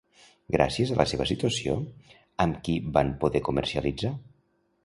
Gràcies a la seva situació, amb qui van poder comercialitzar?